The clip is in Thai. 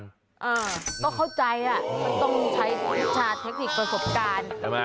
ก็เข้าใจต้องใช้คุณชาติเทคนิคประสบการณ์